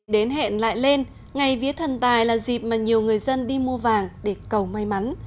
đến hẹn lại lên ngày vía thần tài là dịp mà nhiều người dân đi mua vàng để cầu may mắn